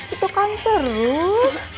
itu kan terus